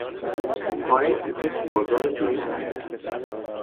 فارکس یک بازار دو جهته است